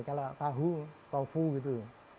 kalau tahu tofu gitu